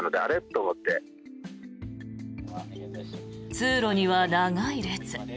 通路には長い列。